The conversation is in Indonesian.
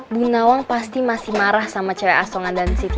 bu nawang pasti masih marah sama cewek asongan dan siti